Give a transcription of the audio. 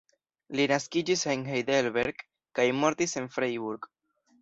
Li naskiĝis en Heidelberg kaj mortis en Freiburg.